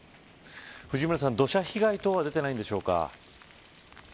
藤村さん、土砂被害等は出ていないでしょうか。